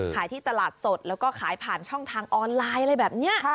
ที่ตลาดสดแล้วก็ขายผ่านช่องทางออนไลน์อะไรแบบนี้